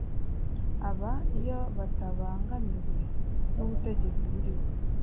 aba, iyo batabangamiwe n'ubutegetsi buriho